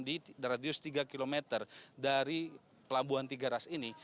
di radius tiga km dari pelabuhan tiga ras ini